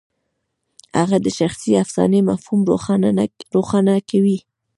هغه د شخصي افسانې مفهوم روښانه کوي.